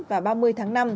và ba mươi tháng năm